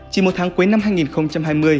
chỉ một tháng cuối năm hai nghìn hai mươi